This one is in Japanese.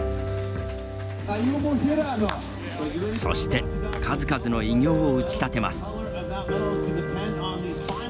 そして数々の偉業を打ち立てます。